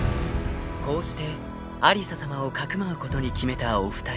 ［こうして有沙さまをかくまうことに決めたお二人］